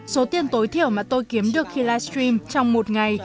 số tiền tối thiểu mà tôi kiếm được khi livestream trong một ngày